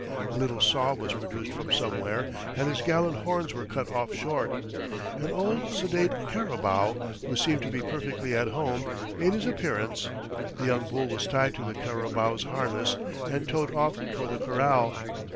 A little saw was produced from somewhere, and his gallant horns were cut off short. An old, sedate carabao, who seemed to be perfectly at home, made his appearance, the young bull was tied to the carabao's harness and towed off toward the corral.